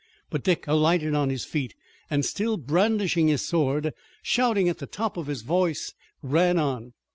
But Dick alighted on his feet, and still brandishing his sword, and shouting at the top of his voice, ran on.